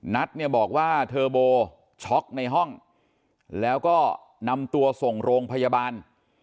นัทเนี่ยบอกว่าเทอร์โบช็อกในห้องแล้วก็นำตัวส่งโรงพยาบาล